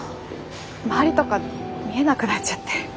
周りとか見えなくなっちゃって。